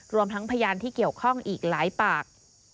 รวมทั้งพยานที่เกี่ยวข้องอีกหลายปาก